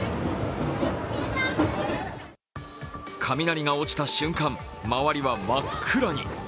雷が落ちた瞬間、周りは真っ暗に。